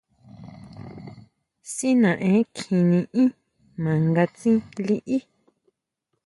Si naʼen kjí niʼín ma nga tsín liʼí.